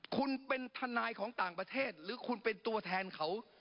คุณเป็นทนายของต่างประเทศหรือคุณเป็นตัวแทนเขา